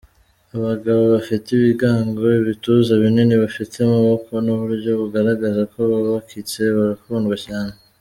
Abagabo bafite ibigango, ibituza binini, bafite amaboko n’uburyo bugaragaza ko bubakitse barakundwa cyane.